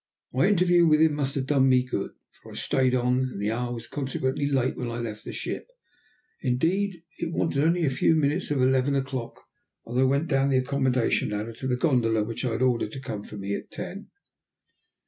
My interview with him must have done me good, for I stayed on, and the hour was consequently late when I left the ship. Indeed, it wanted only a few minutes of eleven o'clock as I went down the accommodation ladder to the gondola, which I had ordered to come for me at ten.